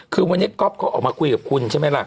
คือวันนี้ก๊อฟเขาออกมาคุยกับคุณใช่ไหมล่ะ